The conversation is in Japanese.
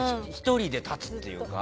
１人で立つっていうか